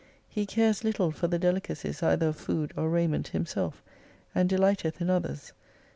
He cares little for the delicacies either of food or raiment himself, and dehghteth in others.